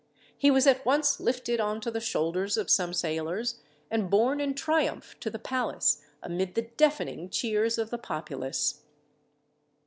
He was at once lifted on to the shoulders of some sailors, and borne in triumph to the palace, amid the deafening cheers of the populace.